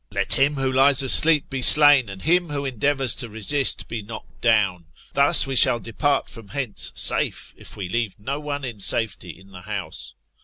Let him who lies asleep be slain ; and him who endeavours to resist be knocked down. Thus we shall depart from hence safe, if we leave no one in safety in the house.